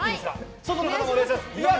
外の方もお願いします。